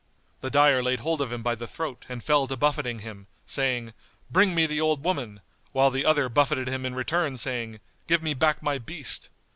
The dyer laid hold of him by the throat and fell to buffeting him, saying, "Bring me the old woman;" whilst the other buffeted him in return saying, "Give me back my beast."